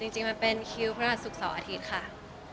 จริงมันเป็นคิวพระราชุกเสาร์อาทิตย์ค่ะ